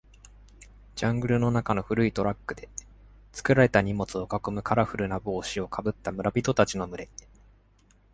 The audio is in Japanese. ジャングルの中の古いトラックで作られた荷物を囲むカラフルな帽子をかぶった村人たちの群れ。